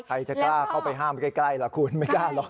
ใครจะกล้าเข้าไปห้ามใกล้ล่ะคุณไม่กล้าหรอก